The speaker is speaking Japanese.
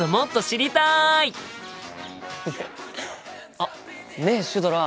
あっねえシュドラ。